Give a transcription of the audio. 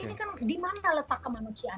ini kan dimana letak kemanusiaan